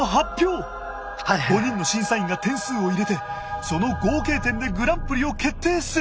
５人の審査員が点数を入れてその合計点でグランプリを決定する。